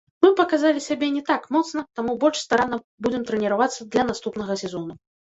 Мы паказалі сябе не так моцна, таму больш старанна будзем трэніравацца для наступнага сезону.